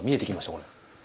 これ。